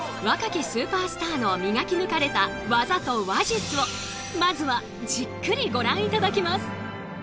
若きスーパースターの磨き抜かれた技と話術をまずはじっくりご覧頂きます。